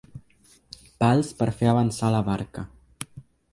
Pals per fer avançar la barca.